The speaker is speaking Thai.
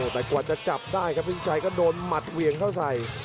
แต่กว่าจะจับได้ครับพี่ชัยก็โดนหมัดเหวี่ยงเข้าใส่